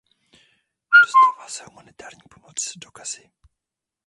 Dostává se humanitární pomoc do Gazy?